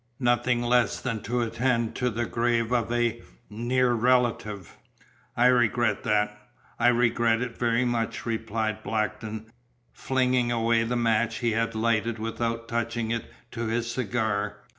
Nothing less than to attend to the grave of a a near relative." "I regret that I regret it very much," replied Blackton, flinging away the match he had lighted without touching it to his cigar.